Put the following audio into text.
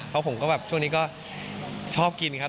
เพราะผมก็แบบช่วงนี้ก็ชอบกินครับ